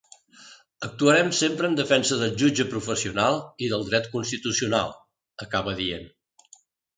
Actuarem sempre en defensa del jutge professional i del dret constitucional, acaba dient.